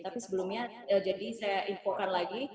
tapi sebelumnya jadi saya infokan lagi